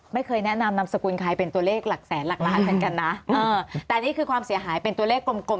ไม่เคยแนะนำนามสกุลใครเป็นตัวเลขหลักแสนหลักล้านเหมือนกันนะแต่อันนี้คือความเสียหายเป็นตัวเลขกลมกลม